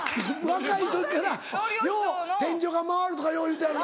・若い時からよう「天井が回る」とかよう言うてはる。